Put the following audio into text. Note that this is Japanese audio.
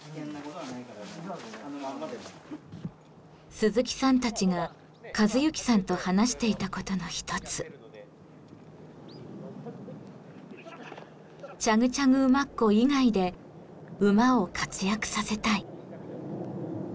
鈴木さんたちが一幸さんと話していたことの一つチャグチャグ馬コ以外で馬を活躍させたい。